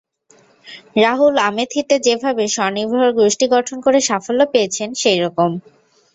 রাহুল আমেথিতে যেভাবে স্বনির্ভর গোষ্ঠী গঠন করে সাফল্য পেয়েছেন, সেই রকম।